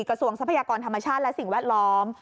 ทรัพยากรธรรมชาติและสิ่งแวดล้อม